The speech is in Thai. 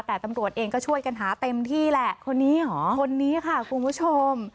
แต่ตำรวจเองก็ช่วยกันหาเต็มที่แหละคนนี้เหรอคนนี้ค่ะคุณผู้ชม